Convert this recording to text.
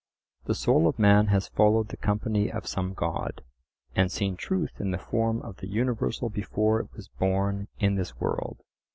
The soul of man has followed the company of some god, and seen truth in the form of the universal before it was born in this world.